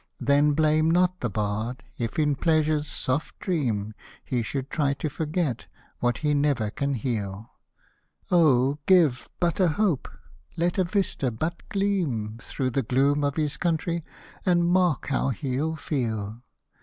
Then blame not the bard, if in pleasure's soft dream, He should try to forget, what he never can heal : Oh ! give but a hope — let a vista but gleam Through the gloom of his country, and mark how he'll feel